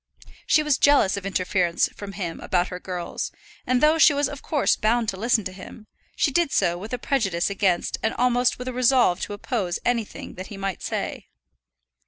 She was jealous of interference from him about her girls, and though she was of course bound to listen to him, she did so with a prejudice against and almost with a resolve to oppose anything that he might say.